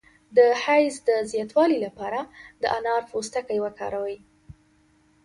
د حیض د زیاتوالي لپاره د انار پوستکی وکاروئ